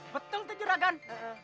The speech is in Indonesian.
betul tuh juragan